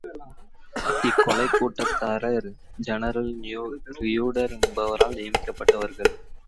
இக்கொலைக்கூட்டத்தார் general Reuter என்பவலால் நியமிக்கப்ட்டவர்கள்.